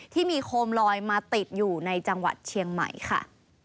ที่มีโคมลอยมาติดอยู่ในจังหวัดเชียงใหม่ค่ะ